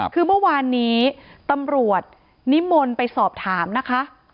คือเมื่อวานนี้ตำรวจนิมนต์ไปสอบถามนะคะ